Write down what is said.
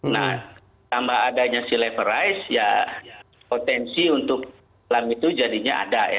nah tambah adanya sea level rise ya potensi untuk selam itu jadinya ada ya